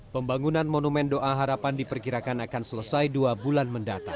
pembangunan monumen doa harapan diperkirakan akan selesai dua bulan mendatang